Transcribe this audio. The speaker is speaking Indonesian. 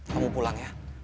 kamu pulang ya